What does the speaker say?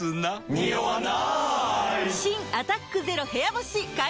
ニオわない！